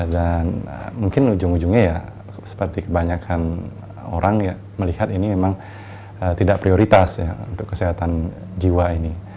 dan mungkin ujung ujungnya ya seperti kebanyakan orang melihat ini memang tidak prioritas untuk kesehatan jiwa ini